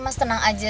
mas tenang aja